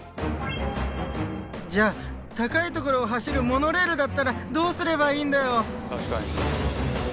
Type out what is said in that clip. じゃあ高い所を走るモノレールだったらどうすればいいんだよ！